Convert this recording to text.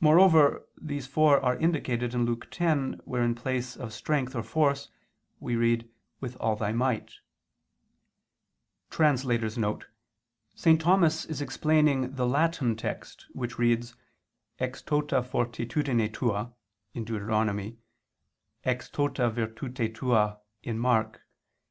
Moreover, these four are indicated in Luke 10, where in place of "strength" or "force" we read "with all thy might." [*St. Thomas is explaining the Latin text which reads "ex tota fortitudine tua" (Deut.), "ex tota virtue tua" (Mk.)